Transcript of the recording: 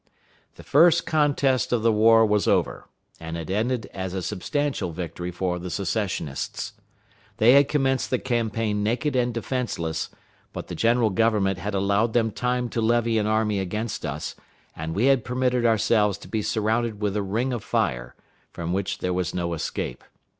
The first contest of the war was over, and had ended as a substantial victory for the Secessionists. They had commenced the campaign naked and defenseless; but the General Government had allowed them time to levy an army against us, and we had permitted ourselves to be surrounded with a ring of fire, from which there was no escape.